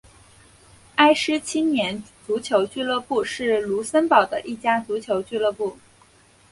埃施青年足球俱乐部是卢森堡的一家足球俱乐部。